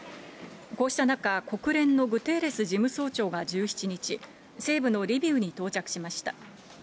こうした中、国連のグテーレス事務総長が１７日、西部のリビウに到着しました。